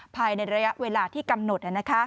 ภายในระยะเวลาที่กำหนด